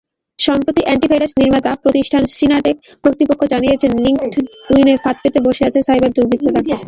সম্প্রতি অ্যান্টিভাইরাস নির্মাতা প্রতিষ্ঠান সিমানটেক কর্তৃপক্ষ জানিয়েছে, লিঙ্কডইনে ফাঁদ পেতে বসেছে সাইবার দুর্বৃত্তরা।